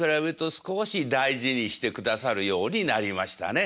少し大事にしてくださるようになりましたね。